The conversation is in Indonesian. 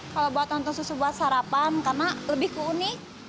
kalau buat lontong susu buat sarapan karena lebih unik